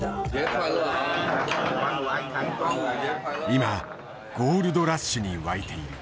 今ゴールドラッシュに沸いている。